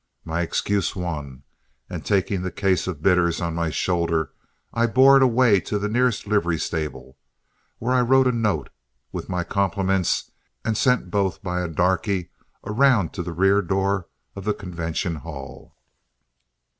My excuse won, and taking the case of bitters on my shoulder, I bore it away to the nearest livery stable, where I wrote a note, with my compliments, and sent both by a darkey around to the rear door of the convention hall.